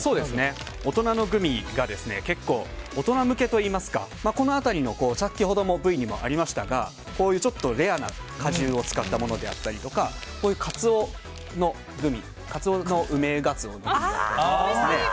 大人のグミが結構、大人向けと言いますか先ほどのＶにもありましたがこういうレアな果汁を使ったものであったりとかこういうカツオのグミ梅ガツオのグミだったり。